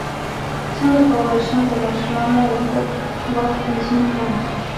څنګه کولی شم د ماشومانو د خوب وخت تنظیم کړم